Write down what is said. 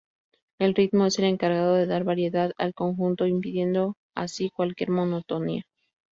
El ritmo es el encargado de dar variedad al conjunto, impidiendo así cualquier monotonía.